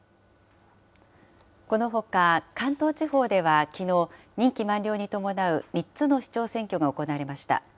このほか、関東地方では、きのう、任期満了に伴う３つの市長選挙が行われました。